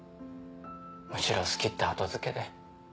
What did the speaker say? むしろ好きって後付けで。